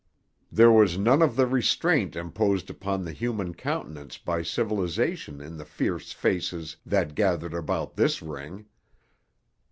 There was none of the restraint imposed upon the human countenance by civilisation in the fierce faces that gathered about this ring.